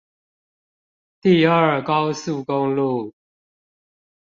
第二高速公路